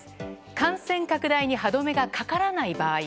感染拡大に歯止めがかからない場合